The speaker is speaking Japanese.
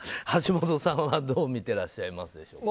橋下さんはどう見てらっしゃいますか。